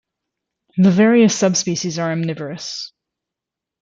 The various subspecies are omnivorous.